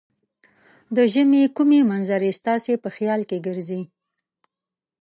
د ژمې کومې منظرې ستاسې په خیال کې ګرځي؟